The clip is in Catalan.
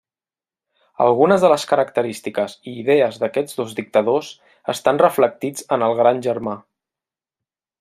Algunes de les característiques i idees d'aquests dos dictadors estan reflectits en el Gran Germà.